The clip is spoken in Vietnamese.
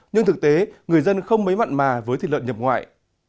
nhưng thực tế người dân không mấy mặn mà với thịt lợn nhập ngoại